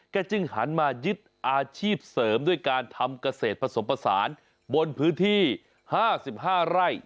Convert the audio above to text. จึงหันมายึดอาชีพเสริมด้วยการทำเกษตรผสมผสานบนพื้นที่๕๕ไร่